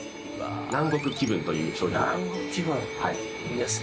南国気分という商品です。